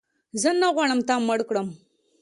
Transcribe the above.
زه نه غواړم تا مړ کړم